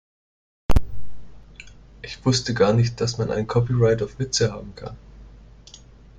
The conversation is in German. Ich wusste gar nicht, dass man ein Copyright auf Witze haben kann.